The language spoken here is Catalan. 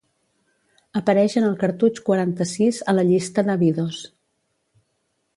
Apareix en el cartutx quaranta-sis a la llista d'Abidos.